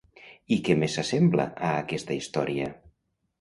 I què més s'assembla a aquesta història?